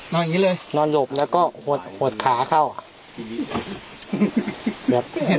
ลองลองนอนดูอ่ะบังแต่ไม่เห็นว่าใครใครมาไม่เห็น